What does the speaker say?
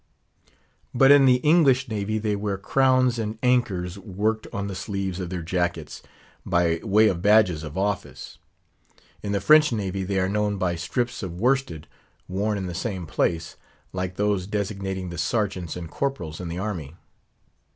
But in the English navy they wear crowns and anchors worked on the sleeves of their jackets, by way of badges of office. In the French navy they are known by strips of worsted worn in the same place, like those designating the Sergeants and Corporals in the army.